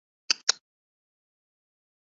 مذہب مظاہر فطرت سے دلیل اٹھاتا ہے۔